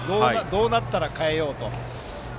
どうなったら代えようと。